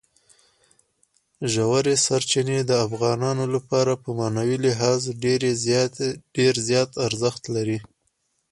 ژورې سرچینې د افغانانو لپاره په معنوي لحاظ ډېر زیات ارزښت لري.